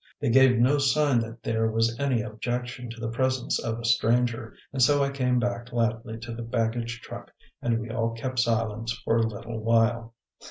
They gave no sign that there was any objection to the presence of a stranger, and so I came back gladly to the baggage truck, and we all kept silence for a little while.